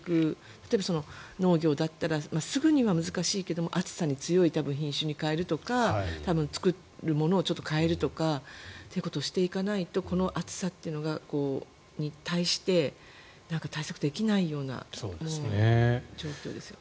例えば農業だったらすぐには難しいけど暑さに強い品種に変えるとか作るものを変えるとかということをしていかないとこの暑さというものに対して対策できないような状況ですね。